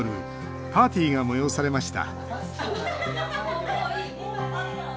パーティーが催されました。